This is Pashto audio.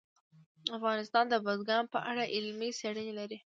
افغانستان د بزګان په اړه علمي څېړنې لري.